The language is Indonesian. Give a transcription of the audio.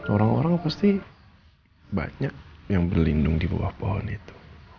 orang orang pasti banyak yang berlindung di bawah pohon itu